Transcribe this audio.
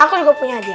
aku juga punya dia